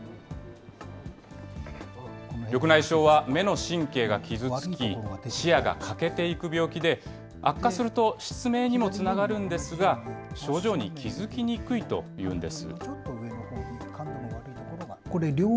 緑内障は目の神経が傷つき、視野が欠けていく病気で、悪化すると失明にもつながるんですが、症状に気付きにくいというんです。